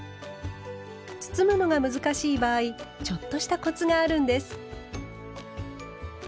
包むのが難しい場合ちょっとしたコツがあるんです。